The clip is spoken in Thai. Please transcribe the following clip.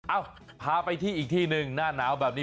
เอ้าพาไปที่อีกที่หนึ่งหน้าหนาวแบบนี้